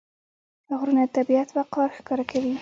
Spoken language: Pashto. غرونه د طبیعت وقار ښکاره کوي.